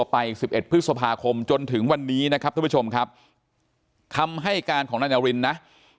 ไป๑๑พฤษภาคมจนถึงวันนี้นะครับทุกผู้ชมครับคำให้การของนายนารินนะ